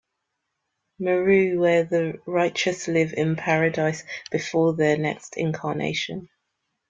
Meru where the righteous live in paradise before their next incarnation.